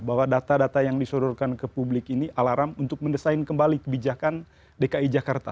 bahwa data data yang disodorkan ke publik ini alarm untuk mendesain kembali kebijakan dki jakarta